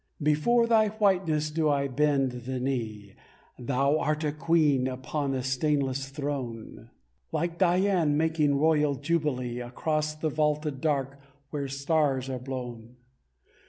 Before thy whiteness do I bend the knee; Thou art a queen upon a stainless throne, Like Dian making royal jubilee, Across the vaulted dark where stars are blown.